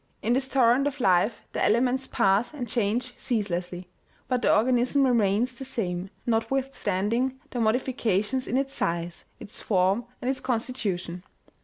In this torrent of life the elements pass and change ceaselessly ; but the organism remains the same, notwithstanding the modifications in its size, its form and its constitution.